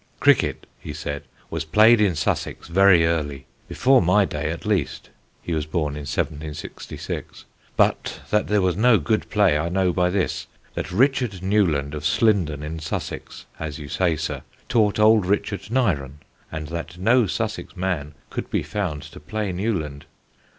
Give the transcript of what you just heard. "Cricket," he said, "was played in Sussex very early, before my day at least [he was born in 1766]; but that there was no good play I know by this, that Richard Newland, of Slindon in Sussex, as you say, sir, taught old Richard Nyren, and that no Sussex man could be found to play Newland.